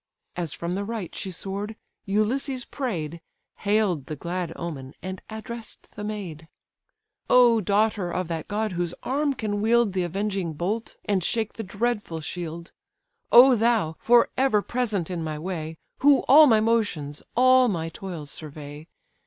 As from the right she soar'd, Ulysses pray'd, Hail'd the glad omen, and address'd the maid: "O daughter of that god whose arm can wield The avenging bolt, and shake the saber shield! O thou! for ever present in my way, Who all my motions, all my toils survey!